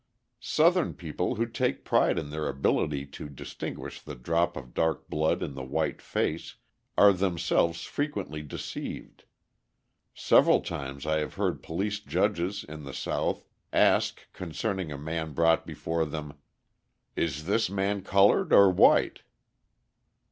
Southern people, who take pride in their ability to distinguish the drop of dark blood in the white face, are themselves frequently deceived. Several times I have heard police judges in the South ask concerning a man brought before them: "Is this man coloured or white?"